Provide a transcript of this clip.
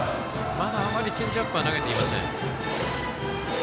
まだあまりチェンジアップ投げていません。